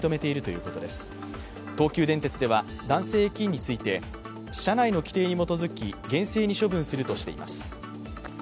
東急電鉄では、男性駅員について、社内の規程に基づき厳正に処分するとしています。